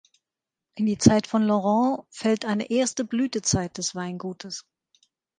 In die Zeit von Laurent fällt eine erste Blütezeit des Weingutes.